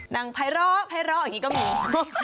ดังภัยร้ออย่างนี้ก็มี